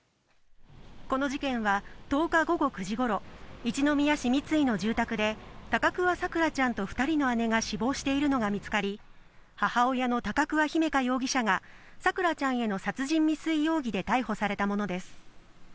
この事件は１０日午後９時ごろ、一宮市三ツ井の住宅で、高桑咲桜ちゃんと２人の姉が死亡しているのが見つかり、母親の高桑姫華容疑者が咲桜ちゃんへの殺人未遂容疑で逮捕されたものです。